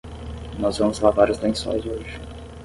Nós vamos lavar os lençóis hoje